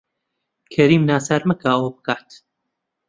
کەریم ناچار مەکە ئەوە بکات.